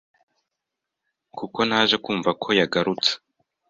kuko naje kumva ko yagarutse